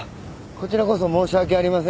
こちらこそ申し訳ありません。